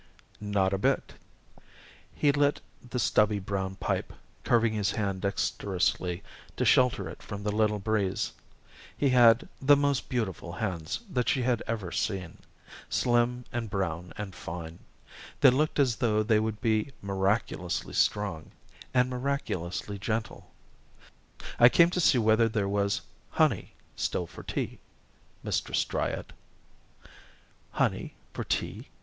"Not a bit." He lit the stubby brown pipe, curving his hand dexterously to shelter it from the little breeze. He had the most beautiful hands that she had ever seen, slim and brown and fine they looked as though they would be miraculously strong and miraculously gentle. "I came to see I came to see whether there was 'honey still for tea,' Mistress Dryad!" "Honey for tea?"